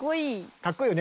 かっこいいよね